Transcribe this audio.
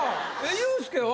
ユースケは？